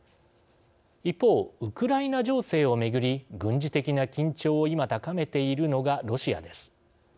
一方、ウクライナ情勢をめぐり軍事的な緊張を今、高めているのがロシアです。